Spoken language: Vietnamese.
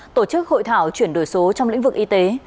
tổ chức hội thảo chuyển đổi số trong lĩnh vực y tế